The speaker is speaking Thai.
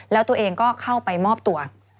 แล้วตัวเองก็เข้าไปมอบตัว